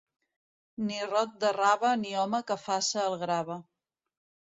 Ni rot de rave ni home que faça el grave.